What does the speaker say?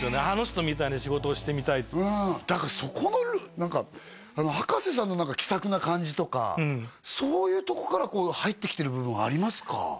あの人みたいに仕事をしてみたいだからそこの何か葉加瀬さんの気さくな感じとかそういうとこから入ってきてる部分はありますか？